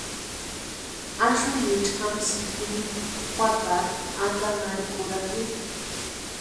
Axunicha jamsïnti jini juatarhu antanharhikurhatini.